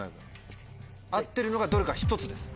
合ってるのがどれか１つです。